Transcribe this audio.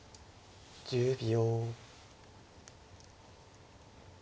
１０秒。